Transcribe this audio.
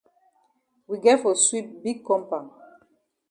We get for sweep big compound.